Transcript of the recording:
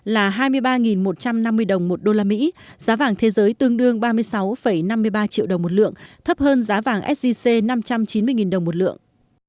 là hai mươi ba một trăm năm mươi đồng một đô la mỹ giá vàng thế giới tương đương ba mươi sáu năm mươi ba triệu đồng một lượng thấp hơn giá vàng sgc năm trăm chín mươi đồng một lượng